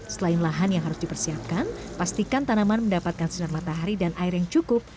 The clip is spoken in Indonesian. selain lahan yang harus dipersiapkan pastikan tanaman mendapatkan sinar matahari dan air yang cukup